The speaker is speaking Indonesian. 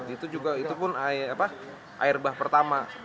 itu juga itu pun air bah pertama